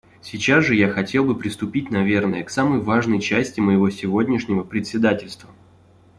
Сейчас же я хотел бы приступить, наверное, к самой важной части моего сегодняшнего председательства...